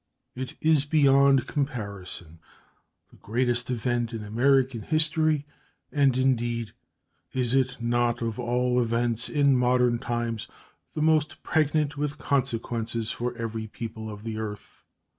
It is beyond comparison the greatest event in American history, and, indeed, is it not of all events in modern times the most pregnant with consequences for every people of the earth?